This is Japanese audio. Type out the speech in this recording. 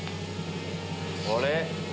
あれ？